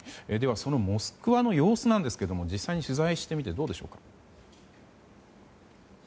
そのモスクワの様子なんですが実際に取材してみてどうでしょうか。